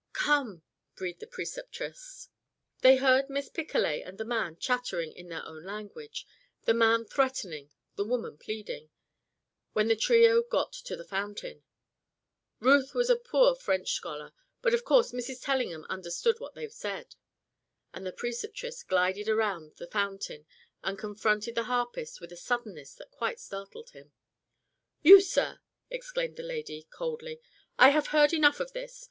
"Come!" breathed the Preceptress. They heard Miss Picolet and the man chattering in their own language the man threatening, the woman pleading when the trio got to the fountain. Ruth was a poor French scholar, but of course Mrs. Tellingham understood what they said. And the Preceptress glided around the fountain and confronted the harpist with a suddenness that quite startled him. "You, sir!" exclaimed the lady, coldly. "I have heard enough of this.